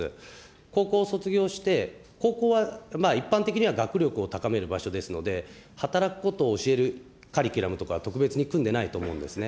高校卒業して、高校は一般的には学力を高める場所ですので、働くことを教えるカリキュラムとか、特別に組んでないと思うんですね。